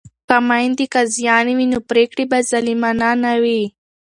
که میندې قاضیانې وي نو پریکړې به ظالمانه نه وي.